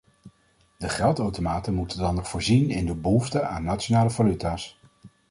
De geldautomaten moeten dan nog voorzien in de behoefte aan nationale valuta's.